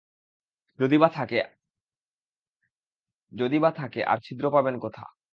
যদি-বা থাকে, আর ছিদ্র পাবেন কোথা?